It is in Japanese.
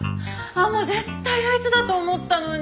絶対あいつだと思ったのに。